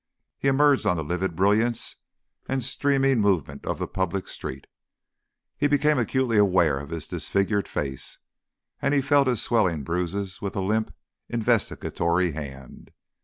He emerged on the livid brilliance and streaming movement of the public street. He became acutely aware of his disfigured face, and felt his swelling bruises with a limp, investigatory hand.